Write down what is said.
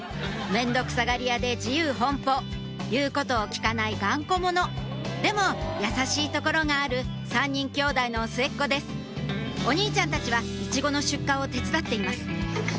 面倒くさがり屋で自由奔放言うことを聞かない頑固者でも優しいところがある３人兄弟の末っ子ですお兄ちゃんたちはイチゴの出荷を手伝っています